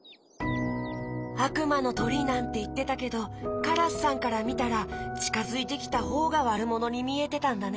「あくまのとり」なんていってたけどカラスさんからみたらちかづいてきたほうがわるものにみえてたんだね。